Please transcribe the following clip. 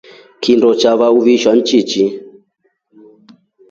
Kindo chava uvisha nchichi.